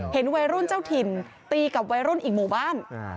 เห็นวัยรุ่นเจ้าถิ่นตีกับวัยรุ่นอีกหมู่บ้าน